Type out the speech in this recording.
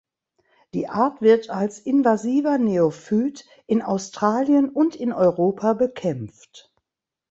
Die Art wird als invasiver Neophyt in Australien und in Europa bekämpft.